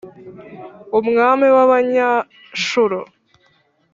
umwami w’Abanyashuru !